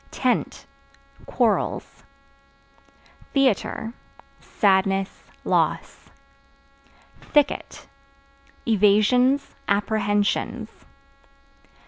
Tent Quarrels. Theater Sadness, loss. Thicket Evasions, apprehensions.